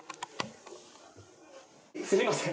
すみません